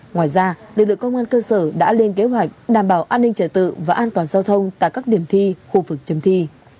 ngoài ra lực lượng công an cơ sở đã lên kế hoạch đảm bảo an ninh trở tự và an toàn giao thông tại các điểm thi khu vực chấm thi